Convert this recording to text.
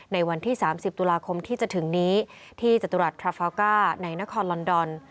ในวันที่๓๐ตุลาคมที่จะถึงนี้ที่จตุรัสคาฟาวก้าในนครลอนดอน